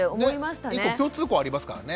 １個共通項ありますからね。